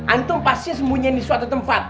antum pasti sembunyi di suatu tempat